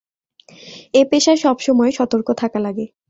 এ পেশায় সবসময়ে সতর্ক থাকা লাগে।